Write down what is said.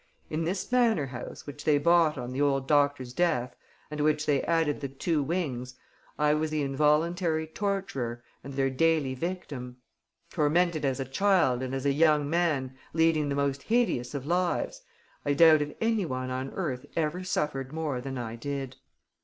In this manor house, which they bought on the old doctor's death and to which they added the two wings, I was the involuntary torturer and their daily victim. Tormented as a child, and, as a young man, leading the most hideous of lives, I doubt if any one on earth ever suffered more than I did."